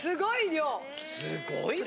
すごいな！